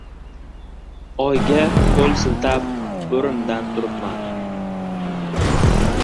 Oyga qo‘l siltab, o‘rimdan turibman.